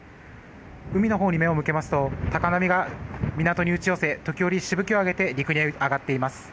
海のほうに目を向けますと高波が港に打ち寄せ時折しぶきを上げて陸に上がっています。